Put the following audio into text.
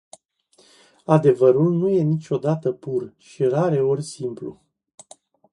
Adevărul nu e niciodată pur și rareori simplu.